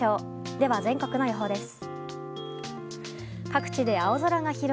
では、全国の予報です。